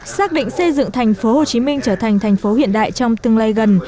xác định xây dựng thành phố hồ chí minh trở thành thành phố hiện đại trong tương lai gần